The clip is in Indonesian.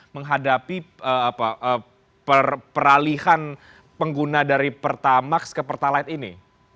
menghadapi peralihan pengguna dari pertamax ke pertalite ini